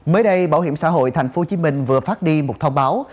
mới đây bảo hiểm xã hội tp hcm vừa phát đi một thông báo